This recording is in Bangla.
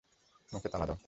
মুখে তালা দাও!